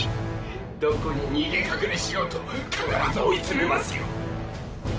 どこに逃げ隠れしようと必ず追い詰めますよ。